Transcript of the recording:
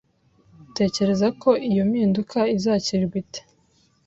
Utekereza ko iyi mpinduka izakirwa ite?